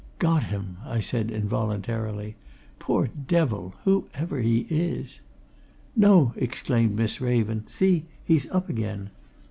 "Got him!" I said involuntarily. "Poor devil! whoever he is." "No!" exclaimed Miss Raven. "See! he's up again."